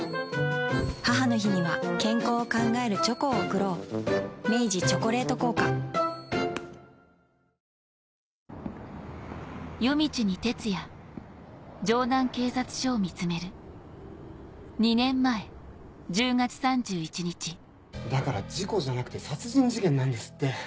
母の日には健康を考えるチョコを贈ろう明治「チョコレート効果」だから事故じゃなくて殺人事件なんですって！